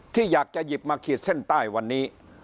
ที่อยากจะหยิบมาขีดเส้นใต้วันนี้